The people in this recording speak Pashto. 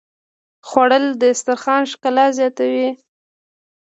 خوړل د دسترخوان ښکلا زیاتوي